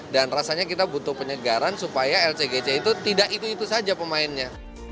dan rasanya kita butuh penyegaran supaya lcgc itu tidak itu itu saja pemainnya